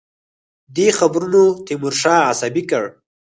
دې خبرونو تیمورشاه عصبي کړ.